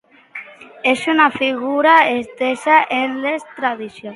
És una figura estesa en les tradicions?